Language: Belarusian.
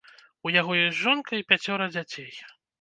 У яго ёсць жонка і пяцёра дзяцей.